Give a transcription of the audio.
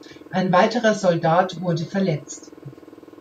Ein weiterer Soldat wurde verletzt.